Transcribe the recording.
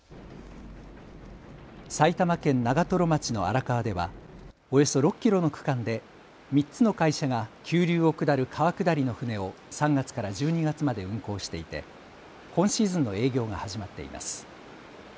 埼玉県長瀞町の荒川ではおよそ６キロの区間で３つの会社が急流を下る川下りの舟を３月から１２月まで運航していて今シーズンの営業が始まっています。